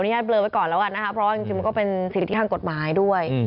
ญาตเลอไว้ก่อนแล้วกันนะคะเพราะว่าจริงมันก็เป็นสิทธิทางกฎหมายด้วย